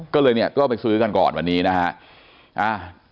ก็เลยเนี่ยก็ไปซื้อกันก่อนวันนี้นะฮะ